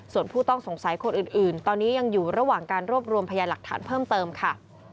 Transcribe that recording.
ส่วนผู้ต้องสงสัยคนอื่นตอนนี้ยังอยู่ระหว่างการรวบรวมพยานหลักฐานเพิ่มเติมค่ะ